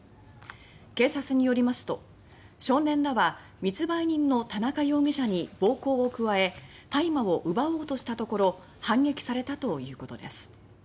警察によりますと、少年らは密売人の田中容疑者に暴行を加え大麻を奪おうとしたところ反撃されたということです。